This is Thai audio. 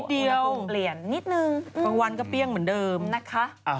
ดีใจมากเลยปลาหมึกมาอีกแล้ว